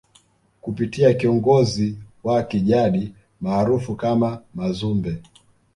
kupitia kiongozi wa kijadi maarufu kama Mazumbe